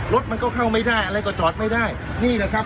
รถมันก็เข้าไม่ได้อะไรก็จอดไม่ได้นี่นะครับ